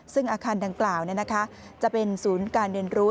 ซึ่งอาคารดังกล่าวจะเป็นศูนย์การเรียนรู้